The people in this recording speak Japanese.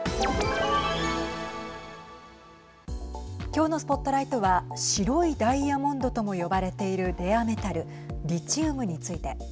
今日のＳＰＯＴＬＩＧＨＴは白いダイヤモンドとも呼ばれているレアメタルリチウムについて。